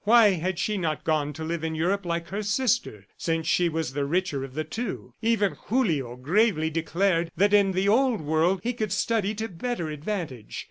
Why had she not gone to live in Europe like her sister, since she was the richer of the two? Even Julio gravely declared that in the old world he could study to better advantage.